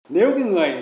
nếu cái người